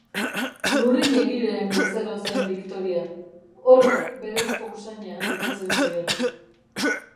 Lurrin egileen bezero zen Biktoria; horrek berezko usaina itotzen zion